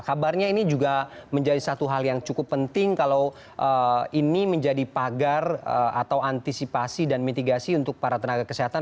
kabarnya ini juga menjadi satu hal yang cukup penting kalau ini menjadi pagar atau antisipasi dan mitigasi untuk para tenaga kesehatan